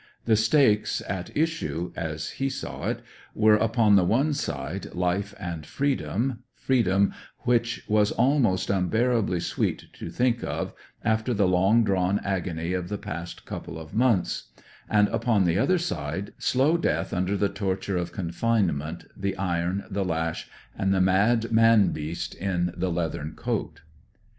The stakes at issue, as he saw it, were, upon the one side, life and freedom, freedom which was almost unbearably sweet to think of, after the long drawn agony of the past couple of months; and upon the other side, slow death under the torture of confinement, the iron, the lash, and the mad man beast in the leathern coat.